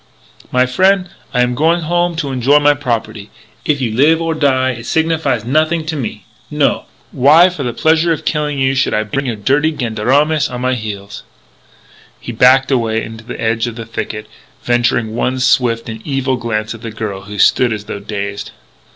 My frien', I am going home to enjoy my property. If you live or die it signifies nothing to me. No! Why, for the pleasure of killing you, should I bring your dirty gendarmes on my heels?" He backed away to the edge of the thicket, venturing one swift and evil glance at the girl who stood as though dazed.